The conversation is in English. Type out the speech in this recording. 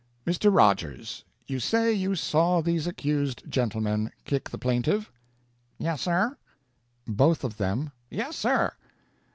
"Mr. Rogers, you say you saw these accused gentlemen kick the plaintiff?" "Yes, sir." "Both of them?" "Yes, sir."